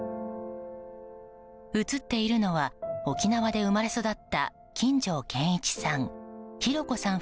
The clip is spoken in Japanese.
写っているのは沖縄で生まれ育った金城健一さん弘子さん